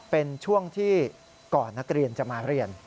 เป็นช่วงที่ก่อนนักเรียนจะมาเรียน